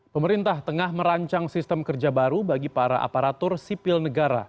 pemerintah tengah merancang sistem kerja baru bagi para aparatur sipil negara